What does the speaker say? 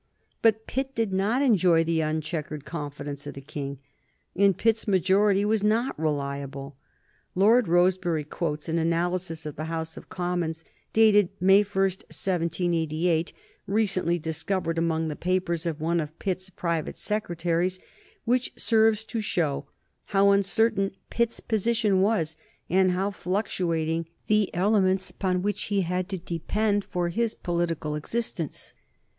But Pitt did not enjoy the uncheckered confidence of the King, and Pitt's majority was not reliable. Lord Rosebery quotes an analysis of the House of Commons dated May 1, 1788, recently discovered among the papers of one of Pitt's private secretaries, which serves to show how uncertain Pitt's position was, and how fluctuating the elements upon which he had to depend for his political existence.